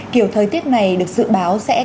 kiểu thời tiết này được dự báo sẽ kết thúc